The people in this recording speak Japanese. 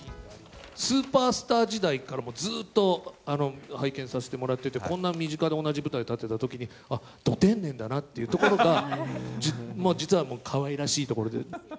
スーパースター時代からずっと拝見させてもらってて、こんな身近で同じ舞台に立ってたときに、あっ、ど天然だなというところが、実はかわいらしいところで。